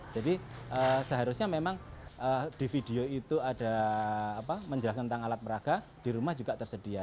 jadi seharusnya memang di video itu ada menjelaskan tentang alat peraga di rumah juga tersedia